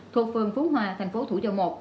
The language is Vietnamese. thuộc phường phú hoa thành phố thủ dâu một